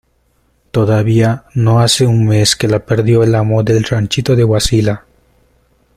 todavía no hace un mes que la perdió el amo del ranchito de Huaxila: